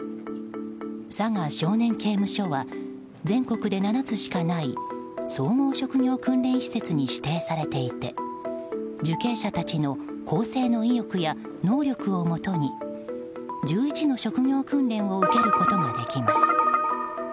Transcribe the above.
佐賀少年刑務所は全国で７つしかない総合職業訓練施設に指定されていて受刑者たちの更生の意欲や能力をもとに１１の職業訓練を受けることができます。